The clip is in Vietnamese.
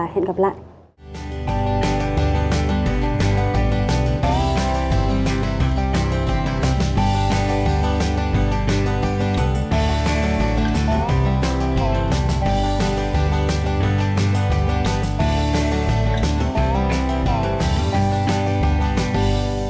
hẹn gặp lại các bạn trong những video tiếp theo